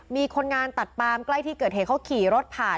มีคนงานตัดปามใกล้ที่เกิดเหตุเขาขี่รถผ่าน